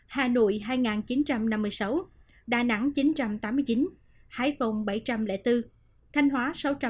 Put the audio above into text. hà nội hai chín trăm năm mươi sáu đà nẵng chín trăm tám mươi chín hải phòng bảy trăm linh bốn thanh hóa sáu trăm tám mươi năm